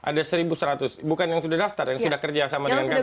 ada satu seratus bukan yang sudah daftar yang sudah kerjasama dengan kami